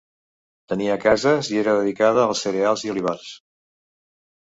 Tenia cases i era dedicada als cereals i olivars.